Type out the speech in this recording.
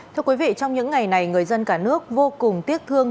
thưa quý vị trong những ngày này người dân cả nước vô cùng tiếc thương